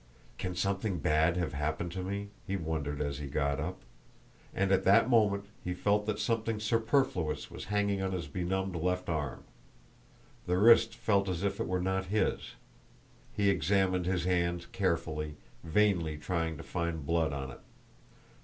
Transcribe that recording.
"Can something bad have happened to me?" he wondered as he got up: and at that moment he felt that something superfluous was hanging on his benumbed left arm. The wrist felt as if it were not his. He examined his hand carefully, vainly trying to find blood on it.